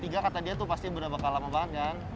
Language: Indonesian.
yang dua tiga kata dia tuh pasti berapa kalangan banget kan